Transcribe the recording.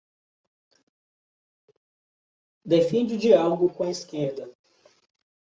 defende diálogo com a esquerda